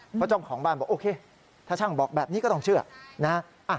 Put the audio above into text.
เพราะเจ้าของบ้านบอกโอเคถ้าช่างบอกแบบนี้ก็ต้องเชื่อนะฮะ